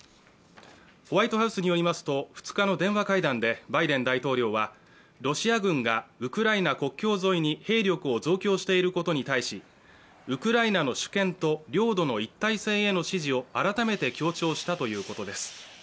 ホワイトハウスによりますと、２日の電話階段でバイデン大統領はロシア軍がウクライナ国境沿いに兵力を増強していることに対し、ウクライナの主権と領土の一体性への支持を改めて強調したということです。